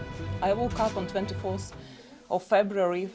saya bangun pada dua puluh empat februari